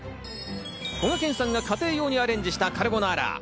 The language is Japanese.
こがけんさんが家庭用にアレンジしたカルボナーラ。